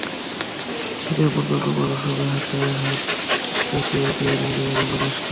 তারা একদিন পূর্ণাঙ্গ মানুষ হবে, হাতে হাত রেখে এগিয়ে নিয়ে যাবে বাংলাদেশকে।